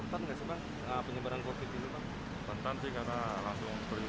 sudah sebagai polisi rentan nggak sepan penyebaran covid sembilan belas